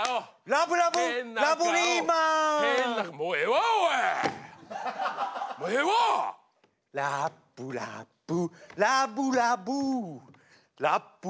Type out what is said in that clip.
ラブラブラブラブ。